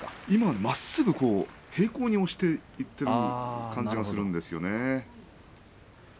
今はまっすぐ平行に押していっている感じがするんですよね。